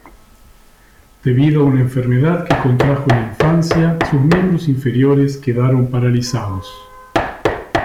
Debido a una enfermedad que contrajo en la infancia sus miembros inferiores quedaron paralizados.